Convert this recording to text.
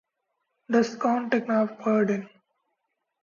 Das könnte knapp werden.